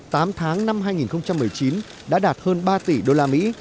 tám tháng năm hai nghìn một mươi chín đã đạt hơn ba tỷ usd